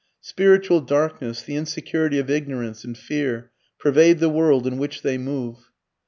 Spiritual darkness, the insecurity of ignorance and fear pervade the world in which they move.